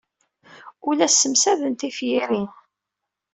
Ur la ssemsaden tiferyin.